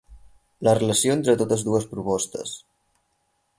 La relació entre totes dues propostes.